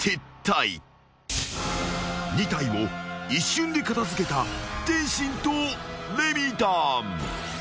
［２体を一瞬で片付けた天心とレミたん］